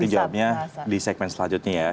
coba nanti jawabnya di segmen selanjutnya ya